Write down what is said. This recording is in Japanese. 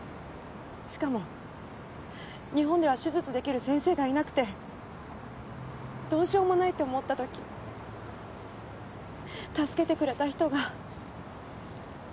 しかも日本では手術出来る先生がいなくてどうしようもないって思った時助けてくれた人が。